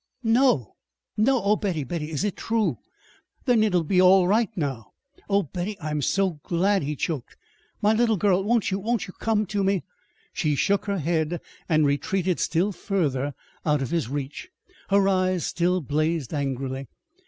"No, no! Oh, Betty, Betty, is it true? Then it'll all be right now. Oh, Betty, I'm so glad," he choked. "My little girl! Won't you come to me?" She shook her head and retreated still farther out of his reach. Her eyes still blazed angrily.